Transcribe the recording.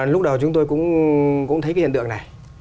lúc đầu chúng tôi cũng thấy hiện tượng này